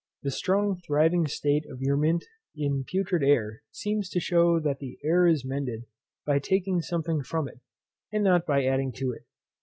The strong thriving state of your mint in putrid air seems to shew that the air is mended by taking something from it, and not by adding to it."